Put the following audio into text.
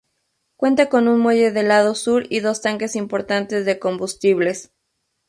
Cuenta con un muelle del lado sur y dos tanques importantes de combustibles.